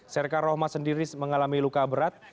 serka rohma sendiri mengalami luka berat